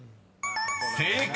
［正解！